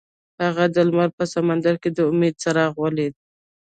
هغه د لمر په سمندر کې د امید څراغ ولید.